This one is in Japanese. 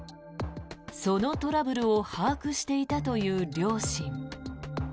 そのトラブルを把握していたという両親。